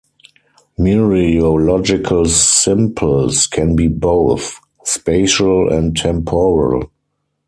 Mereological simples can be both spatial and temporal.